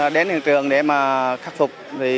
đến hiện trường để mà khắc phục